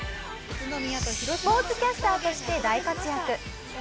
スポーツキャスターとして大活躍！